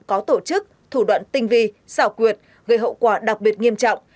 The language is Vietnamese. tội phạm có tổ chức thủ đoạn tinh vi xảo quyệt gây hậu quả đặc biệt nghiêm trọng